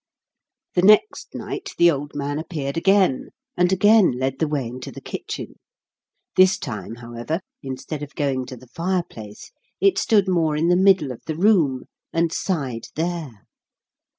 The next night the old man appeared again, and again led the way into the kitchen. This time, however, instead of going to the fireplace, it stood more in the middle of the room, and sighed there.